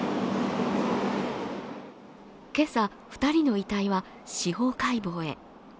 今朝、２人の遺体は司法解剖へ。